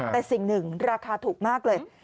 แต่สิ่งหนึ่งราคาถูกมากเลย